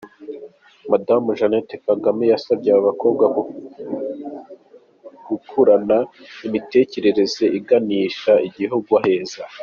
Madame Jeannette Kagame yasabye aba bakobwa gukurana imitekerereze iganisha igihugu aheza.